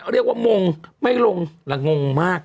เรียกว่ามงไม่ลงหลังงงมาก